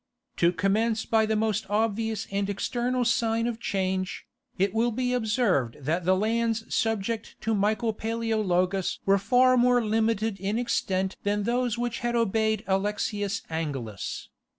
To commence by the most obvious and external sign of change, it will be observed that the lands subject to Michael Paleologus were far more limited in extent than those which had obeyed Alexius Angelus.